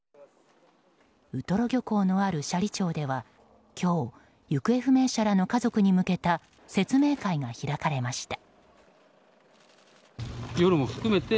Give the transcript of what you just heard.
ウトロ漁港のある斜里町では今日、行方不明者らの家族に向けた説明会が開かれました。